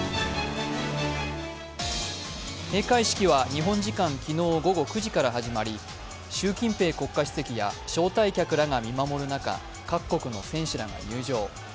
閉会式は日本時間昨日午後９時から始まり習近平国家主席や招待客らが見守る中各国の選手らが入場。